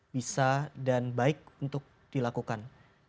bisa dan baik untuk dilakukan